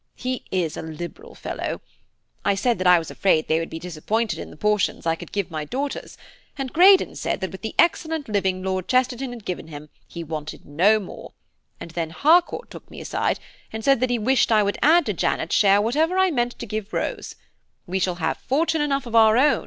He is a liberal fellow. I said that I was afraid they would be disappointed in the portions I could give my daughters; and Greydon said that with the excellent living Lord Chesterton had given him he wanted no more; and then Harcourt took me aside, and said that he wished I would add to Janet's share whatever I meant to give to Rose. 'We shall have fortune enough of our own.'